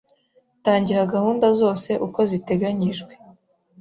Tangira Gahunda zose uko ziteganyijwe